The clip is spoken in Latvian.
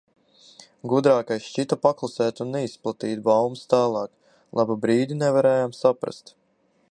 Gudrākais šķita paklusēt un neizplatīt baumas tālāk. Labu brīdi nevarējām saprast.